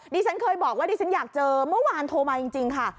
ดิฉันเคยบอกว่าดิฉันอยากเจอเมื่อวานโทรมาจริงค่ะ